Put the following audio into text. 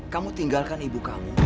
kamu tinggalkan ibu kamu